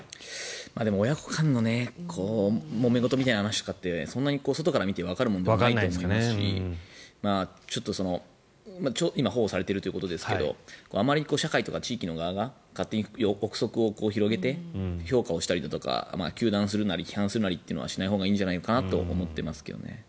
でも、親子間のもめ事みたいな話とかってそんなに外から見てわかるものではないと思いますし今、保護されているということですがあまり社会とか地域の側が勝手に臆測を広げて評価をしたりだとか糾弾するなり批判するのはしないほうがいいんじゃないかなと思ってますけどね。